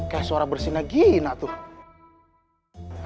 kayak suara bersihnya gina tuh